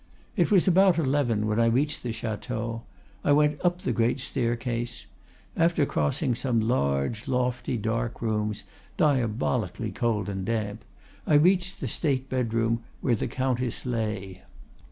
It was about eleven when I reached the chateau. I went up the great staircase. After crossing some large, lofty, dark rooms, diabolically cold and damp, I reached the state bedroom where the Countess lay.